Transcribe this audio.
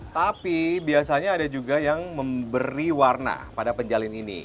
tapi biasanya ada juga yang memberi warna pada penjalin ini